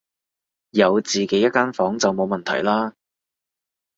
有自己一間房就冇問題啦